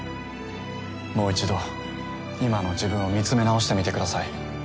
もう１度今の自分を見つめ直してみてください。